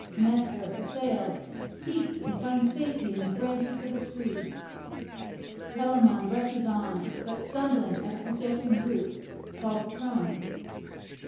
Nestor, assailed, seeks and finds safety in the branches of a tree. Telamon rushes on, but stumbling at a projecting root, falls prone.